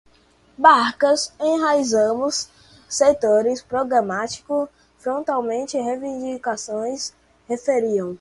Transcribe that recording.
Barcas, enraizarmos, setores, programático, frontalmente, reivindicações, referiam